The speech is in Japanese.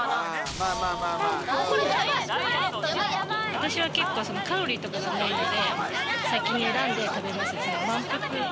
私は結構、カロリーとかがないので、先に選んで食べます。